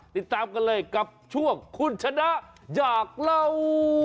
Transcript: ติดตามกันเลยกับช่วงคุณชนะอยากเล่า